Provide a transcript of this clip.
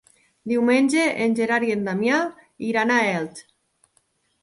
Diumenge en Gerard i en Damià iran a Elx.